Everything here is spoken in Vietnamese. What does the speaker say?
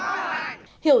một hai bốn